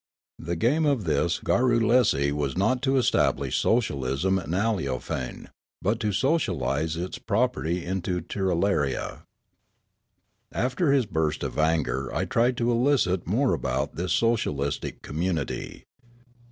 The game of this Garrulesi w'as not to establish socialism in Aleofane, but to socialise its property into Tirralaria. After his burst of anger I tried to elicit more about this socialistic community.